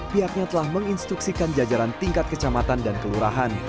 pihaknya telah menginstruksikan jajaran tingkat kecamatan dan kelurahan